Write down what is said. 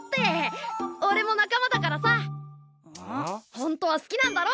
ほんとは好きなんだろ！？